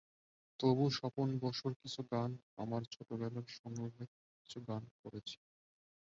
তবু স্বপন বসুর কিছু গান, আমার ছোটবেলার সংগ্রহের কিছু গান করেছি।